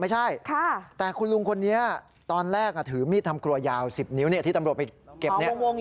ไม่ใช่แต่คุณลุงคนนี้ตอนแรกถือมีดทำครัวยาว๑๐นิ้วที่ตำรวจไปเก็บเนี่ย